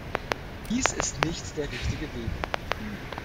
Dies ist nicht der richtige Weg.